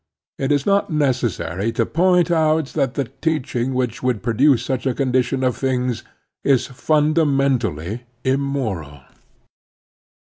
It is not necessary to point out that the teaching which would produce such a condition of things is fundamentally immoral.